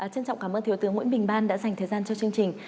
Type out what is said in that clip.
trân trọng cảm ơn thiếu tướng nguyễn bình ban đã dành thời gian cho chương trình